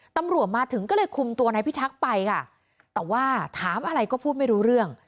ตำรวจมาถึงก็เลยคุมตัวนายพิทักษ์ไปค่ะแต่ว่าถามอะไรก็พูดไม่รู้เรื่อง